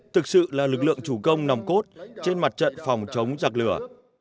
thực sự là lực lượng chủ công nòng cốt trên mặt trận phòng chống giặc lửa